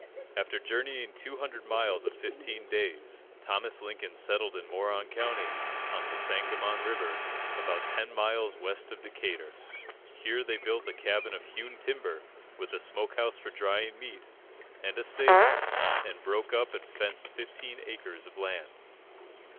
After journeying 200 miles in fifteen days, Thomas Lincoln settled in Moron County, on the Sangamon River, about ten miles west of Decatur. Here they built a cabin of hewn timber, with a smoke house for drying meat, and a stable, and broke up and fenced fifteen acres of land.